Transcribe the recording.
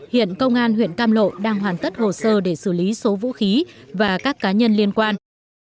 hiện công an huyện cam lộ đang hoàn tất hồ sơ để xử lý số vũ khí và các cá nhân liên quan